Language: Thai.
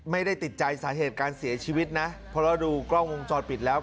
ไม่ได้ติดใจสาเหตุการเสียชีวิตนะเพราะเราดูกล้องวงจรปิดแล้ว